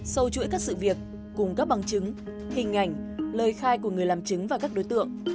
sau chuỗi các sự việc cùng các bằng chứng hình ảnh lời khai của người làm chứng và các đối tượng